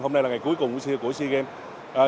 hôm nay là ngày cuối cùng của sea games